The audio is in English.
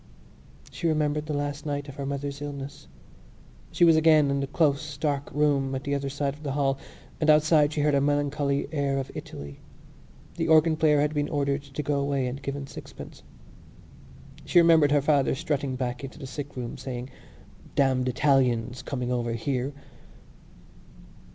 She remembered the last night of her mother's illness; she was again in the close dark room at the other side of the hall and outside she heard a melancholy air of Italy. The organ player had been ordered to go away and given sixpence. She remembered her father strutting back into the sickroom saying: "Damned Italians! coming over here!"